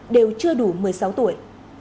đều chưa đủ một mươi sáu tuổi